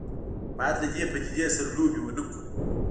باید له دې پدیدې سره لوبې ونه کړو.